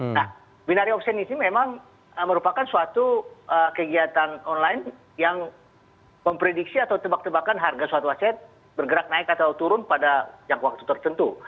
nah binary option ini memang merupakan suatu kegiatan online yang memprediksi atau tebak tebakan harga suatu aset bergerak naik atau turun pada jangka waktu tertentu